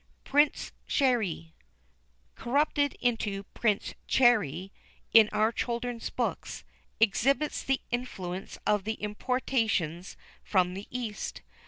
PRINCE CHÉRI, Corrupted into "Prince Cherry" in our children's books, exhibits the influence of the importations from the East.